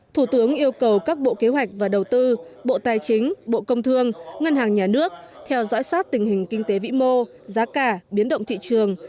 thủ tướng yêu cầu các bộ kế hoạch và đầu tư bộ tài chính bộ công thương ngân hàng nhà nước theo dõi sát tình hình kinh tế vĩ mô giá cả biến động thị trường